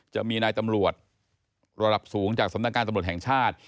จะมีนายตำรวจระดับสูงจากสำนักงานตำรวจแห่งชาติ